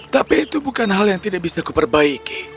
tapi itu bukan hal yang tidak bisa kuperbaiki